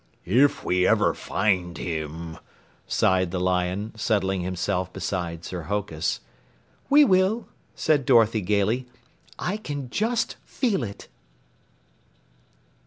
"If we ever find him," sighed the Lion, settling himself beside Sir Hokus. "We will," said Dorothy gaily. "I just feel it."